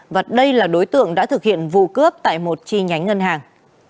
và đây là đối tượng đã thực hiện vụ cướp tại một chi nhánh ngân hàng